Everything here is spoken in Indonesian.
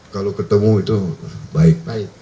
kalau ketemu itu baik